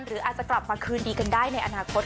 หรืออาจจะกลับมาคืนดีกันได้ในอนาคต